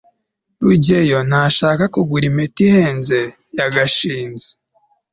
rugeyo ntashaka kugura impeta ihenze ya gashinzi